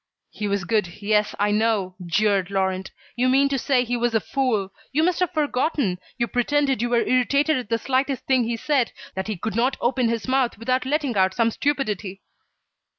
"He was good, yes, I know," jeered Laurent. "You mean to say he was a fool. You must have forgotten! You pretended you were irritated at the slightest thing he said, that he could not open his mouth without letting out some stupidity."